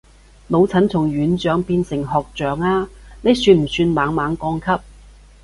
老陳從院長變成學長啊，呢算不算猛猛降級